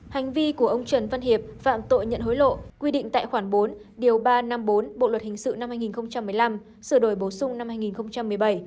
hành vi của ông trần văn hiệp phạm tội nhận hối lộ quy định tại khoản bốn điều ba trăm năm mươi bốn bộ luật hình sự năm hai nghìn một mươi năm sửa đổi bổ sung năm hai nghìn một mươi bảy